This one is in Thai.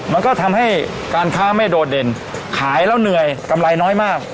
มันก็ทำให้การค้าไม่โดดเด่นขายแล้วเหนื่อยกำไรน้อยมาก